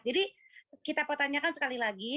jadi kita pertanyakan sekali lagi